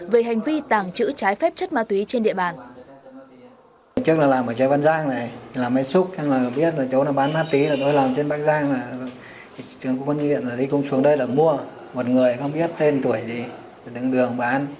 về hành vi tàng trữ trái phép chất ma túy trên địa bàn